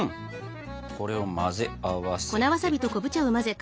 これを混ぜ合わせてと。